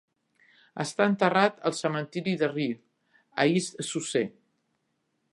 Està enterrat al cementiri de Rye, a East Sussex.